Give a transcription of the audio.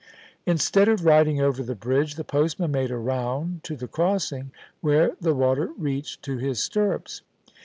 Instead of riding over the bridge, the postman made a round to the crossing, where the water reached to his stirrups.